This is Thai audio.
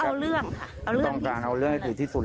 ก็เอาเรื่องค่ะเอาสิต้องการเอาเรื่องวิ่งให้ถือที่สุด